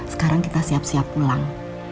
sekarang kita siap siap pulang